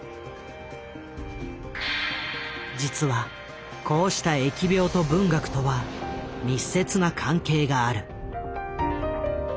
実はこうした疫病と文学とは密接な関係がある。